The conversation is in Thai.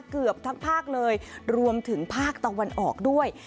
เกือบทั้งภาคเลยรวมถึงภาคตะวันออกด้วย